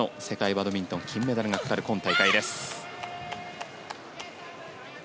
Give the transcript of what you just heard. バドミントンの金メダルがかかる今大会です。